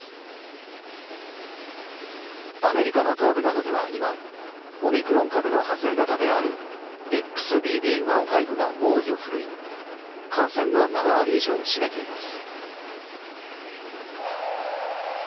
アメリカの東部などでは今オミクロン株の派生型であるＸＢＢ．１．５が猛威を振るい感染の７割以上を占めています。